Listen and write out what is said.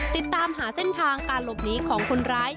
ติดตามหาเส้นทางการหลบหนีของคนร้าย